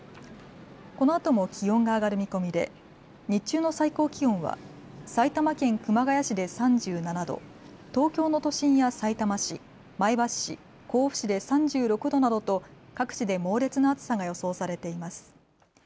このあとも気温が上がる見込みで日中の最高気温は埼玉県熊谷市で３７度、東京の都心やさいたま市、前橋市、甲府市で３６度などと各地で猛烈な暑さが予想されています。